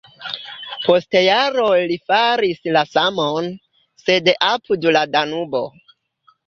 Post jaroj li faris la samon, sed apud la Danubo.